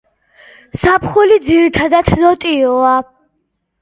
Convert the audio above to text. ზაფხული ძირითადად ნოტიოა.